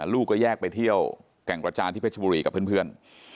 ลูกก็แยกไปเที่ยวแก่งกระจานที่เพชรบุรีกับเพื่อน